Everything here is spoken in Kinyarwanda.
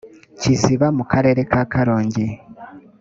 kiziba mu karere ka karongi